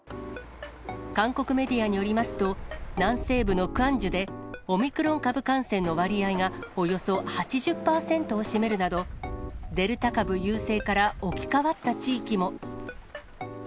韓国メディアによりますと、南西部のクァンジュで、オミクロン株感染の割合がおよそ８０％を占めるなど、デルタ株優勢から置き換わった地域も。